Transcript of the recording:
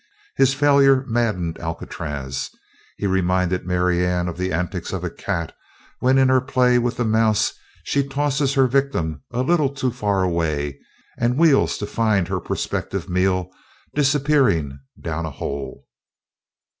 His failure maddened Alcatraz. He reminded Marianne of the antics of a cat when in her play with the mouse she tosses her victim a little too far away and wheels to find her prospective meal disappearing down a hole.